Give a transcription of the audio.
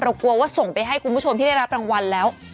กลัวว่าส่งไปให้คุณผู้ชมที่ได้รับรางวัลแล้ว